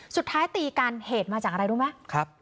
สุดท้ายตีกันเหตุมาจากอะไรรู้ไหม